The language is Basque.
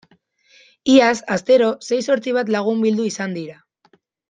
Iaz astero sei zortzi bat lagun bildu izan dira.